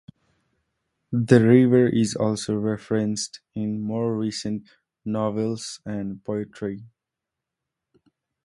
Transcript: The river is also referenced in more recent novels and poetry.